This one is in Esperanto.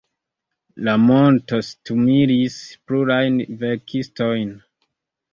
La monto stimulis plurajn verkistojn.